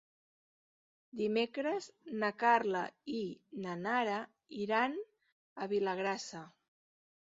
Dimecres na Carla i na Nara iran a Vilagrassa.